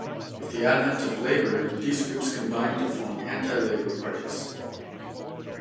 With the advent of Labor, these groups combined to form anti-Labor parties.